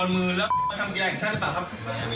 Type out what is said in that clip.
สวัสดีคร้าบ